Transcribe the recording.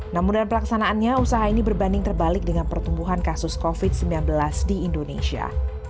namun dalam pelaksanaannya usaha ini berbanding terbalik dengan pertumbuhan kasus covid sembilan belas di indonesia